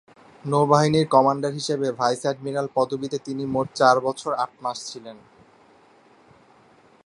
নৌবাহিনীর কমান্ডার হিসেবে vice admiral পদবীতে তিনি মোট চার বছর আট মাস ছিলেন।